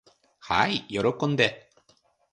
はい喜んで。